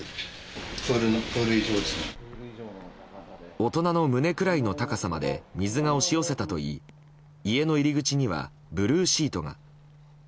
大人の胸くらいの高さまで水が押し寄せたといい家の入り口にはブルーシートが。